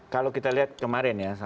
kalau kita lihat kemarin ya